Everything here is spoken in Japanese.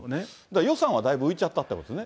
予算はだいぶ浮いちゃったということですね。